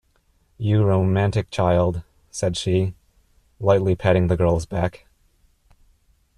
"You romantic child," said she, lightly patting the girl's back.